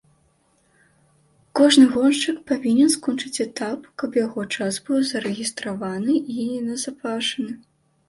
Кожны гоншчык павінен скончыць этап, каб яго час быў зарэгістраваны і назапашаны.